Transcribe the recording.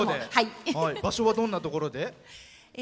場所は、どんなところで？